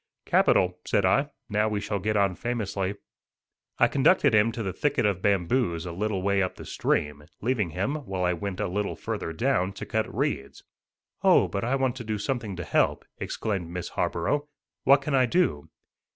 "Capital," said I; "now we shall get on famously." I conducted him to the thicket of bamboos a a little way up the stream, leaving him, while I went a little further down, to cut reeds. "Oh, but I want to do something to help," exclaimed Miss Harborough. "What can I do?"